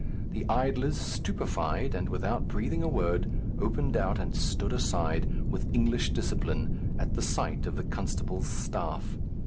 The idlers, stupefied, and without breathing a word, opened out and stood aside, with English discipline, at the sight of the constable's staff.